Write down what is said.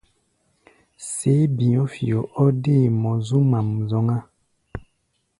Séé bi̧ɔ̧́-fio o dé mɔ zu ŋmaʼm zɔ́ŋá.